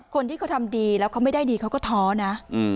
คนที่เขาทำดีแล้วเขาไม่ได้ดีเขาก็ท้อนะ